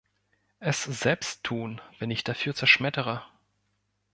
Es selbst tun, wenn ich dafür zerschmettere!